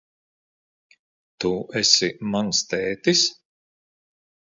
Tu esi mans tētis?